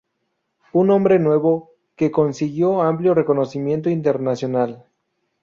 Un hombre nuevo" que consiguió amplio reconocimiento internacional.